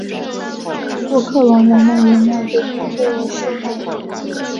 不过克隆人类仍然被宣布为非法行为。